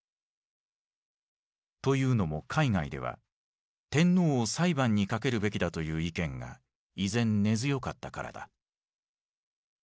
というのも海外では天皇を裁判にかけるべきだという意見が依然根強かったからだ。